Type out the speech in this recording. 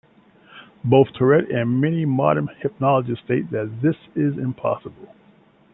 Both Tourette and many modern hypnologists state that this is impossible.